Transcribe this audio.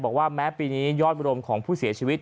บอกว่าแม้ปีนี้ยอดมรวมของผู้เสียชีวิต